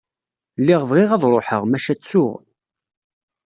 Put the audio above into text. Lliɣ bɣiɣ ad ruḥeɣ, maca ttuɣ.